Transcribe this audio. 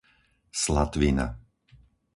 Slatvina